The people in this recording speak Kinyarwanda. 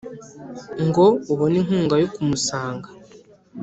ngo ubone inkunga yo kumusanga